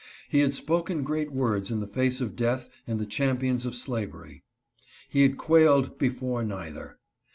He had spoken great words in the face of death and the champions of slavery. He had quailed be fore neither.